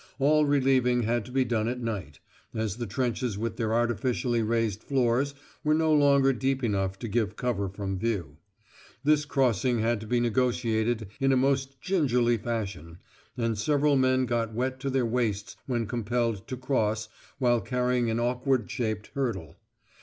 All relieving had to be done at night, as the trenches with their artificially raised floors were no longer deep enough to give cover from view. This crossing had to be negociated in a most gingerly fashion, and several men got wet to their waists when compelled to cross while carrying an awkward shaped hurdle.